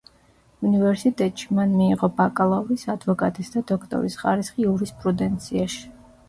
უნივერსიტეტში, მან მიიღო ბაკალავრის, ადვოკატის და დოქტორის ხარისხი იურისპრუდენციაში.